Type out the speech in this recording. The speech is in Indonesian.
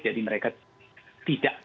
jadi mereka tidak